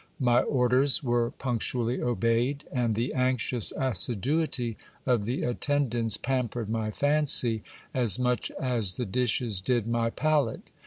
My orders were punctually obeyed ; and the anxious assiduity of the attendance pampered my fancy as much as the dishes did my palate.